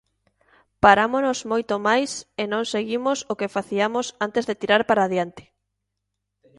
Parámonos moito máis e non seguimos o que faciamos antes de tirar para adiante.